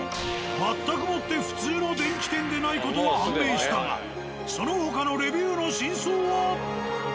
全くもって普通の電気店でない事が判明したがその他のレビューの真相は。